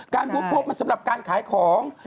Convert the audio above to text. การบู๊ดโพสต์มันสำหรับการขายของ